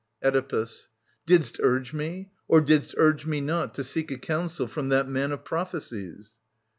Oedipus. Didst urge me, or didst urge me not, to seek A coimsel from that man of prophecies